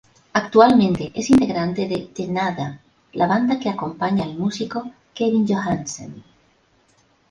Actualmente es integrante de The Nada, la banda que acompaña al músico Kevin Johansen.